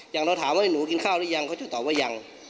อย่างเราถามว่าหนูกินข้าวหรือยังเขาจะตอบว่ายัง